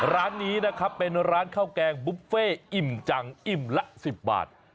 ร้านนี้นะครับเป็นร้านข้าวแกงบุฟเฟ่อิ่มจังอิ่มละ๑๐บาท